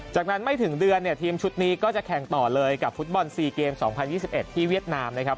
จากนั้นไม่ถึงเดือนเนี่ยทีมชุดนี้ก็จะแข่งต่อเลยกับฟุตบอล๔เกม๒๐๒๑ที่เวียดนามนะครับ